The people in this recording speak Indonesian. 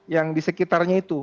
yang di sekitarnya itu